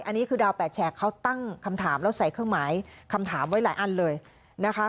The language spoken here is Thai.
อันนี้คือดาวแปดแฉกเขาตั้งคำถามแล้วใส่เครื่องหมายคำถามไว้หลายอันเลยนะคะ